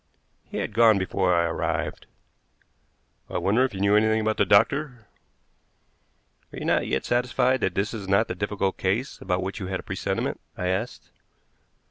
"He had gone before I arrived." "I wonder if he knew anything about the doctor." "Are you not yet satisfied that this is not the difficult case about which you had a presentiment?" I asked.